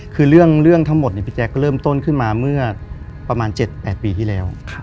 คือเรื่องทั้งหมดพี่แจ๊คเริ่มต้นขึ้นมาเมื่อประมาณ๗๘ปีที่แล้ว